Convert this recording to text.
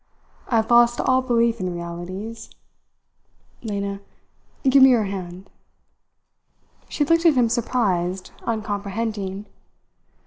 I have lost all belief in realities ... Lena, give me your hand." She looked at him surprised, uncomprehending.